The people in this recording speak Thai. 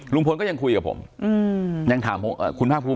ลุงพลก็ยังคุยกับผมยังถามคุณภาคภูมิ